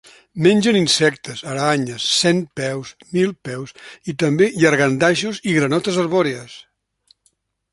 Mengen insectes, aranyes, centpeus, milpeus, i també llangardaixos i granotes arbòries.